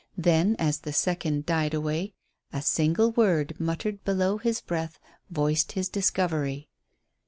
Then as the second died away a single word muttered below his breath voiced his discovery.